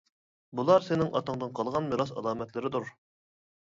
بۇلار سېنىڭ ئاتاڭدىن قالغان مىراس ئالامەتلىرىدۇر.